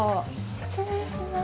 失礼します。